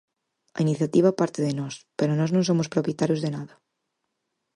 A iniciativa parte de nós, pero nós non somos propietarios de nada.